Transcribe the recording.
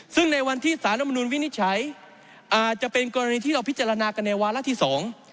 ซึ่งในวันที่สารรัฐมนุนวินิจฉัยอาจจะเป็นกรณีที่เราพิจารณากันในวาระที่สอง